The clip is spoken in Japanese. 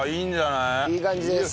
いい感じです。